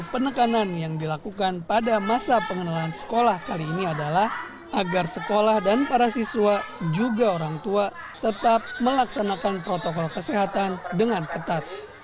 penekanan yang dilakukan pada masa pengenalan sekolah kali ini adalah agar sekolah dan para siswa juga orang tua tetap melaksanakan protokol kesehatan dengan ketat